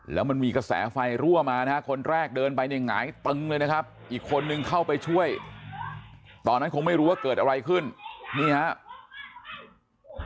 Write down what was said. แล้วมันมีกระแสไฟรั่วมานะฮะคนแรกเดินไปเนี่ยหงายตึงเลยนะครับอีกคนนึงเข้าไปช่วยตอนนั้นคงไม่รู้ว่าเกิดอะไรขึ้นนี่ครับ